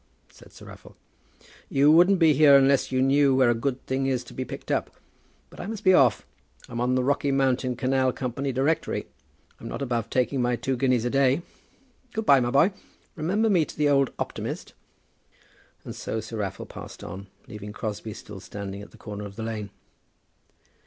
said Sir Raffle. "You wouldn't be here unless you knew where a good thing is to be picked up. But I must be off. I'm on the Rocky Mountain Canal Company Directory. I'm not above taking my two guineas a day. Good by, my boy. Remember me to old Optimist." And so Sir Raffle passed on, leaving Crosbie still standing at the corner of the lane.